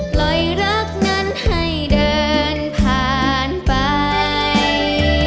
ปล่อยรักนั้นให้เดินผ่านไป